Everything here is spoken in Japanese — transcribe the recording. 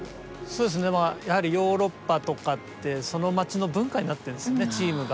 そうですねやはりヨーロッパとかってその町の文化になってるんですねチームが。